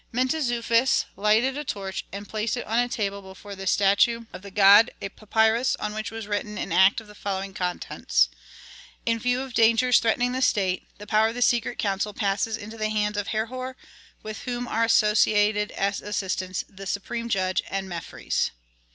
Mentezufis lighted a torch and placed on a table before the statue of the god a papyrus on which was written an act of the following contents: In view of dangers threatening the state, the power of the secret council passes into the hands of Herhor with whom are associated as assistants the supreme judge and Mefres.